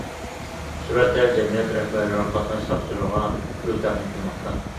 سۈرەتتە: جەمئىيەت رەھبەرلىرى قاتناش ساقچىلىرىغا گۈل تەقدىم قىلماقتا.